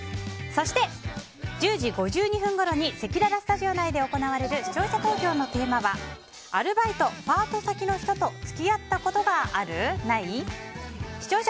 そして、１０時５２分ごろにせきららスタジオ内で行われる視聴者投票のテーマはアルバイト・パート先の人と付き合ったことがある？